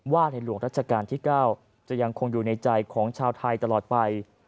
ในหลวงรัชกาลที่๙จะยังคงอยู่ในใจของชาวไทยตลอดไป